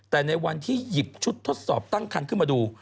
แต่ในวันที่หยิบชุดทดสอบตั้งคันขึ้นมาดู